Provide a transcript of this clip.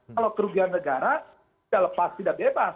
kalau kerugian negara tidak lepas tidak bebas